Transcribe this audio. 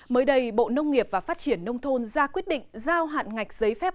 mới đây bộ nông nghiệp và phát triển nông thôn ra quyết định giao hạn ngạch giấy phép